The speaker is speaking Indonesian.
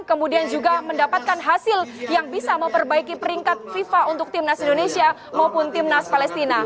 kemudian juga mendapatkan hasil yang bisa memperbaiki peringkat fifa untuk timnas indonesia maupun timnas palestina